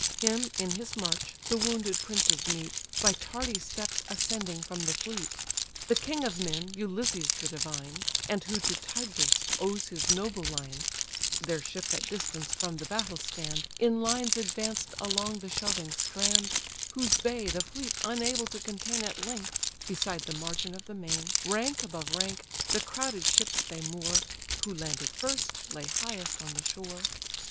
Him, in his march, the wounded princes meet, By tardy steps ascending from the fleet: The king of men, Ulysses the divine, And who to Tydeus owes his noble line (Their ships at distance from the battle stand, In lines advanced along the shelving strand: Whose bay, the fleet unable to contain At length; beside the margin of the main, Rank above rank, the crowded ships they moor: Who landed first, lay highest on the shore.)